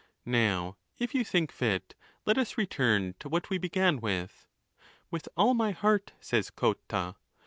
Now, if you think fit, let us return to what we began with. With all my heart, says Cotta.